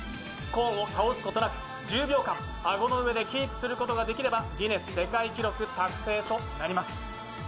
コーンを倒すことなく１０秒間、アゴの上でキープすることができればギネス世界記録達成となります。